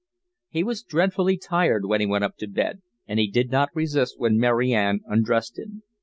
He was dreadfully tired when he went up to bed, and he did not resist when Mary Ann undressed him.